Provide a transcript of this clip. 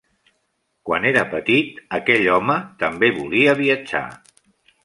Quan era petit, aquell home també volia viatjar.